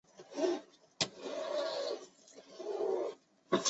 麦克威廉斯是位于美国阿拉巴马州威尔科克斯县的一个非建制地区。